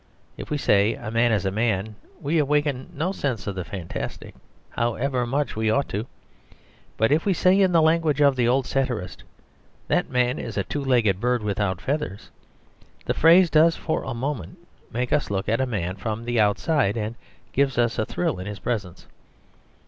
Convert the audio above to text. If we say "a man is a man" we awaken no sense of the fantastic, however much we ought to, but if we say, in the language of the old satirist, "that man is a two legged bird, without feathers," the phrase does, for a moment, make us look at man from the outside and gives us a thrill in his presence.